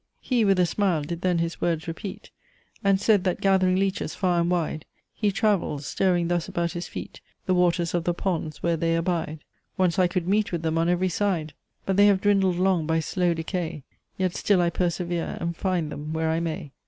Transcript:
"He with a smile did then his words repeat; And said, that gathering Leeches far and wide He travell'd; stirring thus about his feet The waters of the Ponds where they abide. `Once I could meet with them on every side; 'But they have dwindled long by slow decay; 'Yet still I persevere, and find them where I may.'